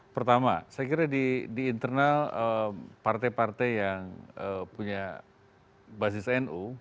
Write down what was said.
pertama saya kira di internal partai partai yang punya basis nu